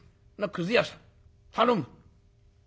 くず屋さん頼む